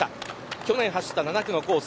去年走った７区のコース